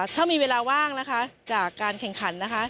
ถ้ามีเวลาว่างจากการแข่งขัน